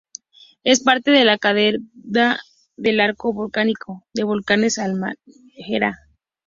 Es parte de la cadena del arco volcánico de los volcanes Halmahera.